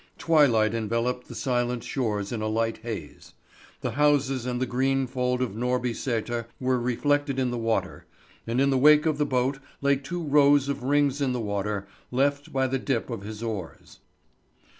Twilight enveloped the silent shores in a light haze. The houses and the green fold of Norby Sæter were reflected in the water, and in the wake of the boat lay two rows of rings in the water, left by the dip of his oars.